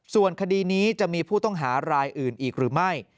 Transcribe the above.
ส่วนคดีนี้จะมีผู้ต้องหารายอื่นอีกหรือไม่